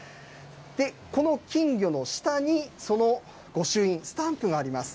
この金魚の下に、その御朱印、スタンプがあります。